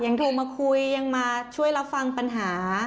โทรมาคุยยังมาช่วยรับฟังปัญหา